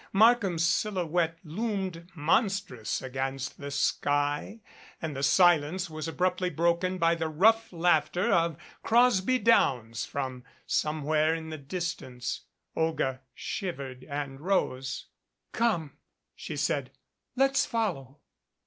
Markham's silhouette loomed mon strous against the sky, and the silence was abruptly broken by the rough laughter of Crosby Downs from somewhere in the distance. Olga shivered and rose. "Come," she said, "let's follow."